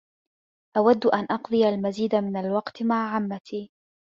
أودّ أن أقضي المزيد من الوقت مع عمّتي.